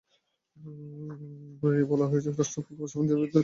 রায়ে বলা হয়েছে, রাষ্ট্রপক্ষ আসামিদের বিরুদ্ধে আনা অভিযোগ প্রমাণ করতে পারেনি।